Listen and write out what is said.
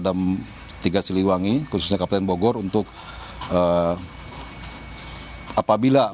dan kemudian kami juga menghimbau kepada pemadaman dki bergabung dengan dinas kebakaran dki bergabung dengan dinas kebakaran dki berkata